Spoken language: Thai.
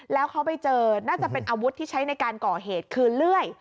แล้วเขาไปเจอน่าจะเป็นอาวุธที่ใช้ในการก่อเหตุคือเลื่อย